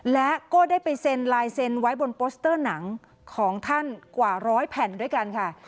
และก็ได้ไปเซ็นลายเซ็นไว้บนโปสเตอร์หนังของท่านกว่าร้อยแผ่นด้วยกันค่ะ